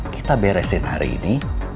kita beresin hari ini